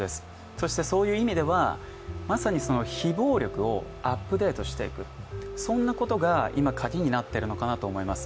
そしてそういう意味では、まさに非暴力をアップデートしていくことが鍵になっているのかなと思います。